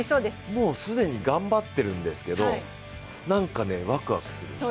もうすでに頑張ってるんですけどなんかね、ワクワクする。